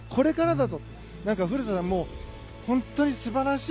だから古田さん本当に素晴らしい